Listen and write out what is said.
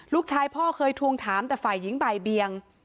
ลูกชายพ่อเคยทวงถามแต่ฝ่ายหญิงบ่ายเบียง